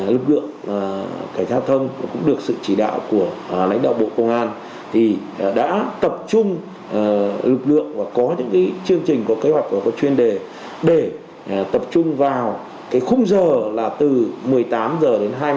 lực lượng cảnh giao thông cũng được sự chỉ đạo của lãnh đạo bộ công an thì đã tập trung lực lượng và có những chương trình có kế hoạch và có chuyên đề để tập trung vào khung giờ là từ một mươi tám h đến hai mươi